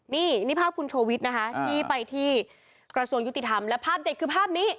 นี่นี่ภาพคุณโชวิตนะคะที่ไปที่กระทรวงยุติธรรมและภาพเด็ดคือภาพนี้